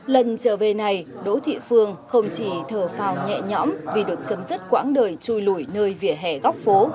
lần trở về này đỗ thị phương không chỉ thở phào nhẹ nhõm vì được chấm dứt quãng đời chui lùi nơi vỉa hè góc phố